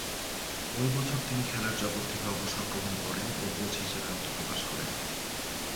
ঐ বছর তিনি খেলার জগৎ থেকে অবসর গ্রহণ করেন ও কোচ হিসেবে আত্মপ্রকাশ করেন।